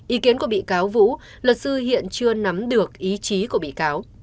ý kiến của bị cáo vũ luật sư hiện chưa nắm được ý chí của bị cáo